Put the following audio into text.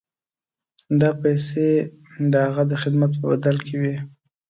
دا پیسې د هغه د خدمت په بدل کې وې.